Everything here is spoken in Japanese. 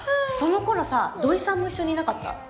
その頃さ土井さんも一緒にいなかった？